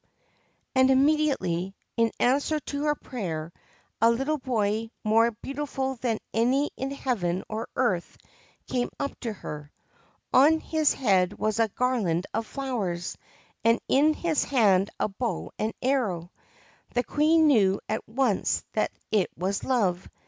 And immediately, in answer to her prayer, a little boy more beautiful than any in heaven or earth came up to her. On his head was a garland of flowers, and in his hand a bow and arrow. The Queen knew at once that it was Love.